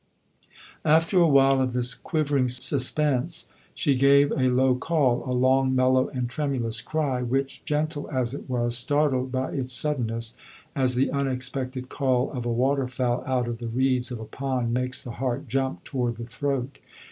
After a while of this quivering suspense she gave a low call, a long mellow and tremulous cry which, gentle as it was, startled by its suddenness, as the unexpected call of a water fowl out of the reeds of a pond makes the heart jump toward the throat.